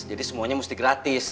jadi semuanya mesti gratis